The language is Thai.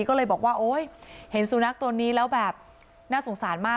ก็เลยบอกว่าโอ๊ยเห็นสุนัขตัวนี้แล้วแบบน่าสงสารมาก